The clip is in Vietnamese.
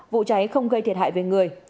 vụ cháy không gây thiệt hại về người